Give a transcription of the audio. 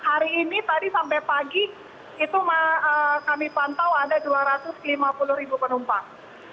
hari ini tadi sampai pagi itu kami pantau ada dua ratus lima puluh ribu penumpang